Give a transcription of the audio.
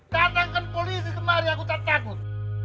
datangkan polisi kemarin aku tak takut